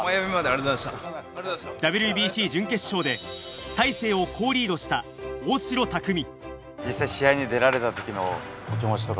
ＷＢＣ準決勝で大勢を好リードした大城卓三。